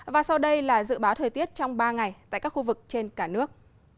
và sau đây là dự báo thời tiết trong ba ngày tại các khu vực trên cả nước